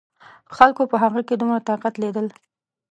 خلکو په هغه کې دومره طاقت لیدل.